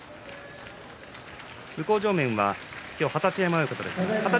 向正面は二十山親方です。